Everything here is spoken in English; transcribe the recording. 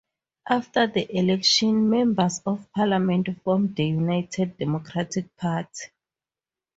After the election members of parliament formed the United Democratic Party.